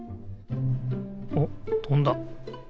おっとんだ。